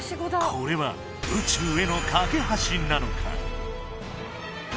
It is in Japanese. これは宇宙への架け橋なのか